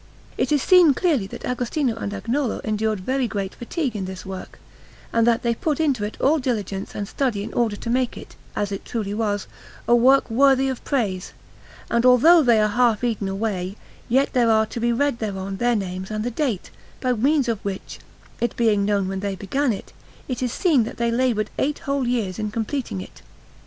It is seen clearly that Agostino and Agnolo endured very great fatigue in this work, and that they put into it all diligence and study in order to make it, as it truly was, a work worthy of praise; and although they are half eaten away, yet there are to be read thereon their names and the date, by means of which, it being known when they began it, it is seen that they laboured eight whole years in completing it.